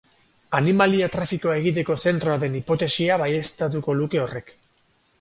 Animalia-trafikoa egiteko zentroa den hipotesiak baieztatuko luke horrek.